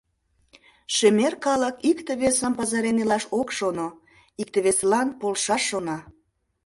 Шемер калык икте-весым пызырен илаш ок шоно, икте-весылан полшаш шона.